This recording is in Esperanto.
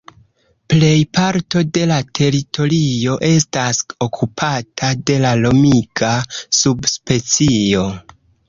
Plej parto de la teritorio estas okupata de la nomiga subspecio.